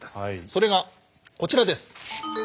それがこちらです。